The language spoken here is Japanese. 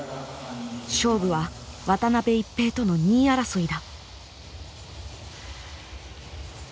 勝負は渡辺一平との２位争いだ。